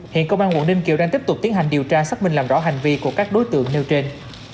hiện công an quận ninh kiều đang tiếp tục tiến hành điều tra xác minh làm rõ hành vi của các đối tượng nêu trên